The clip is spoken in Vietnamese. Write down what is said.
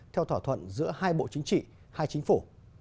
theo thỏa thuận giữa hai bộ chính trị hai chính phủ